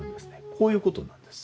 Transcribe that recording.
こういうことなんです。